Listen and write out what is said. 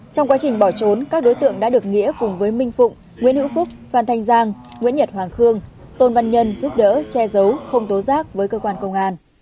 trong quá trình bỏ trốn các đối tượng đã được nghĩa cùng với minh phụng nguyễn hữu phúc phan thanh giang nguyễn nhật hoàng khương tôn văn nhân giúp đỡ che giấu không tố giác với cơ quan công an